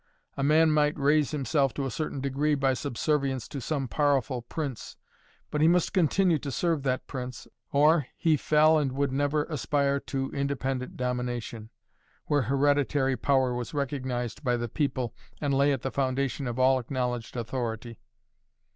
A man might raise himself to a certain degree by subservience to some powerful prince, but he must continue to serve that prince, or he fell and would never aspire to independent domination, where hereditary power was recognized by the people and lay at the foundation of all acknowledged authority.